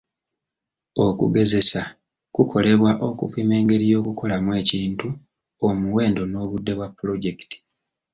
Okugezesa kukolebwa okupima engeri y'okukolamu ekintu, omuwendo n'obudde bwa pulojekiti.